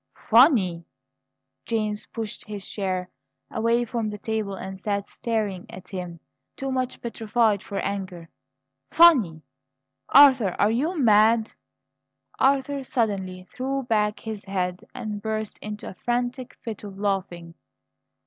"FUNNY?" James pushed his chair away from the table, and sat staring at him, too much petrified for anger. "Funny! Arthur, are you mad?" Arthur suddenly threw back his head, and burst into a frantic fit of laughing.